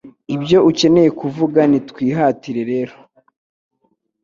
ibyo ukeneye kuvuga Nitwihatire rero